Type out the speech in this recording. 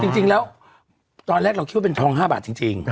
จริงแล้วตอนแรกเราคิดว่าเป็นทอง๕บาทจริง